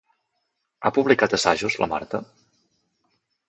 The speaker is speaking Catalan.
Ha publicat assajos, la Marta?